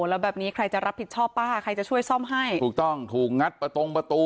แล้วแบบนี้ใครจะรับผิดชอบป้าใครจะช่วยซ่อมให้ถูกต้องถูกงัดประตงประตู